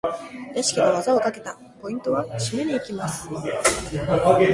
レシキが技をかけた！ポイントは？締めに行きます！